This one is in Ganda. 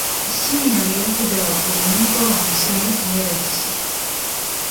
Essimu yange yavudde waggulu n'egwa wansi naye teyayatise.